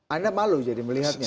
anda malu jadi melihatnya